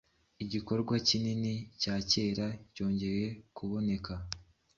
Igikorwa-kinini-cyakera cyongeye kuboneka